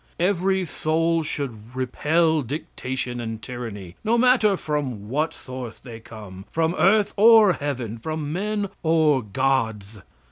Every soul should repel dictation and tyranny, no matter from what source they come from earth or heaven, from men or gods.